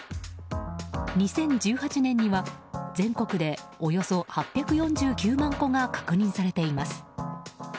２０１８年には、全国でおよそ８４９万戸が確認されています。